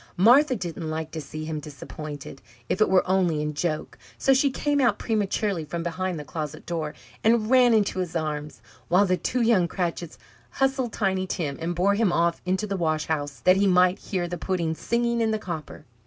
Martha didn't like to see him disappointed, if it were only in joke; so she came out prematurely from behind the closet door, and ran into his arms, while the two young Cratchits hustled Tiny Tim, and bore him off into the wash house, that he might hear the pudding singing in the copper.